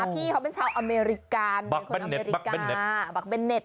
พี่เขาเป็นชาวอเมริกาบักเบนเน็ต